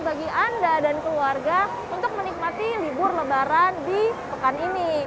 bagi anda dan keluarga untuk menikmati libur lebaran di pekan ini